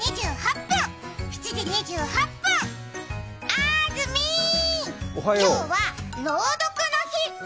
あーずみー、今日は朗読の日。